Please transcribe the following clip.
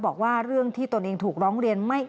บอกว่าเรื่องที่ตนเองถูกร้องเรียน